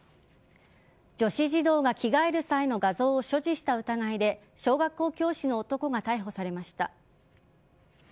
女子児童が着替える際の画像を所持した疑いで小学校教師の男が逮捕されました。